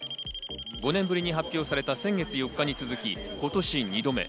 ５年ぶりに発表された先月４日に続き、今年２度目。